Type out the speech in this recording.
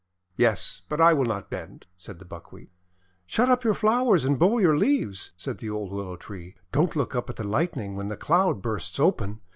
"Yes, but I will not bend," said the Buck wheat. "Shut up your flowers and bow your leaves," said the old Willow Tree. "Don't look up at the Lightning when the Cloud bursts open.